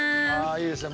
いいですね。